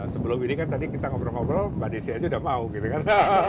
sebelum ini kan tadi kita ngobrol ngobrol mbak desi aja udah mau gitu kan